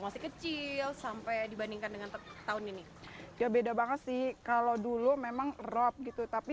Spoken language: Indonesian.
masih kecil sampai dibandingkan dengan tahun ini ya beda banget sih kalau dulu memang rob gitu tapi